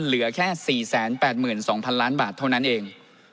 เหลือแค่๔๘๒๐๐๐ล้านบาทเท่านั้นเอง